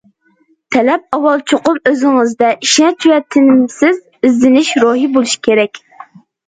تەلەپ، ئاۋۋال چوقۇم ئۆزىڭىزدە ئىشەنچ ۋە تىنىمسىز ئىزدىنىش روھى بولۇشى كېرەك.